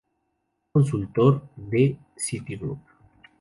Fue consultor de Citigroup.